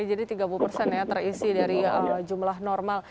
jadi tiga puluh persen ya terisi dari jumlah normal